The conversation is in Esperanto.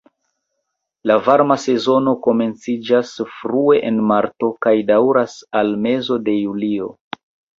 La varma sezono komenciĝas frue en marto kaj daŭras al mezo de julio.